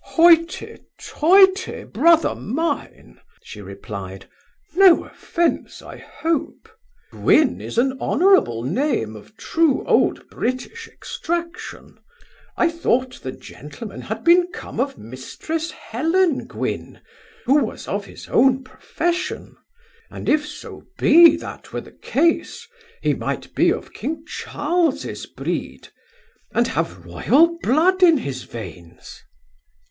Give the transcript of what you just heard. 'Hoity toity, brother mine (she replied) no offence, I hope Gwynn is an honorable name, of true old British extraction I thought the gentleman had been come of Mrs Helen Gwynn, who was of his own profession; and if so be that were the case, he might be of king Charles's breed, and have royal blood in his veins.